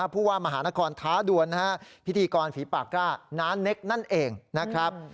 ผู้ว่ามหานครทาดวนพิธีกรฝีปากร่าน้านเนคนั่นเองนะครับ